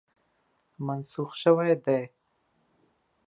منسوخ شوی دی.